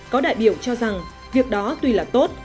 có đại biểu cho rằng việc đó tuy là tốt